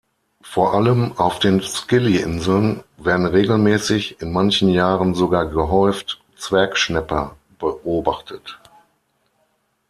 Vor allem auf den Scilly-Inseln werden regelmäßig, in manchen Jahren sogar gehäuft, Zwergschnäpper beobachtet.